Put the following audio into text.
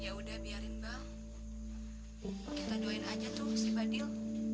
ya udah biarin bang kita doain aja tuh si fadil